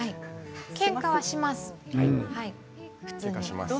けんかはします、はい。